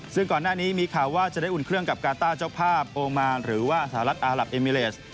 ซึ่งก่อนหน้านี้มีข่าวว่าจะได้อุ่นเครื่องกับกาต้าเจ้าภาพโอมานหรือว่าสหรัฐอารับเอมิเลส